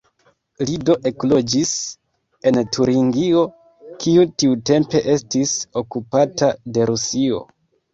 Li do ekloĝis en Turingio, kiu tiutempe estis okupata de Rusio.